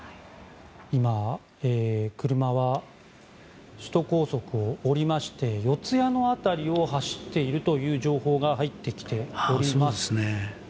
今、車は首都高速を下りまして四谷の辺りを走っているという情報が入ってきております。